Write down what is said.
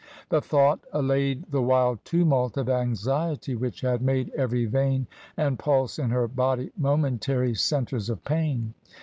The thought allayed the wild tumult of anxiety which had made every vein and pulse in her body momentary centres of pain.